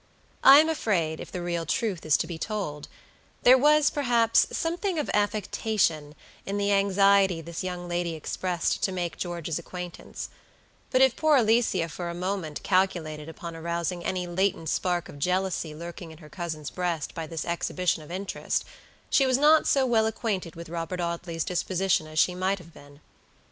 I am afraid, if the real truth is to be told, there was, perhaps, something of affectation in the anxiety this young lady expressed to make George's acquaintance; but if poor Alicia for a moment calculated upon arousing any latent spark of jealousy lurking in her cousin's breast by this exhibition of interest, she was not so well acquainted with Robert Audley's disposition as she might have been.